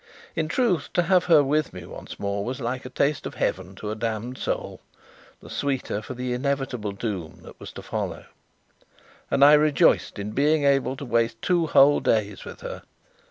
In truth, to have her with me once more was like a taste of heaven to a damned soul, the sweeter for the inevitable doom that was to follow; and I rejoiced in being able to waste two whole days with her.